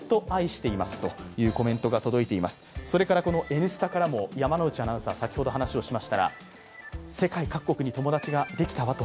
「Ｎスタ」からも山内アナウンサー、先ほど話しましたら「世界各国に友達ができたわ」と。